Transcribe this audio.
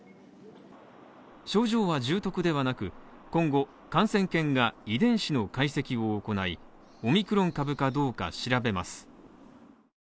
症状は重篤ではなく、今後、感染研が、遺伝子の解析を行い、オミクロン株かどうか調べます。